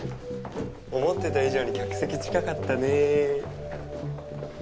思ってた以上に客席近かったね